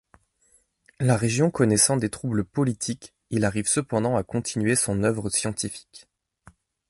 La région connaissant des troubles politiques, il arrive cependant à continuer son œuvre scientifique.